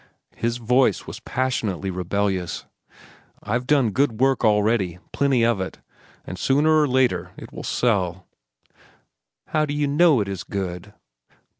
His voice was passionately rebellious. "I've done good work already, plenty of it, and sooner or later it will sell." "How do you know it is good?"